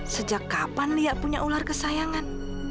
sejak kapan lia punya ular kesayangan